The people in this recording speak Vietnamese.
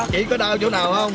chỉ có đau chỗ nào không